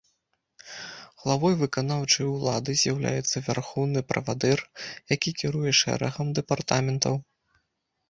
Главой выканаўчай улады з'яўляецца вярхоўны правадыр, які кіруе шэрагам дэпартаментаў.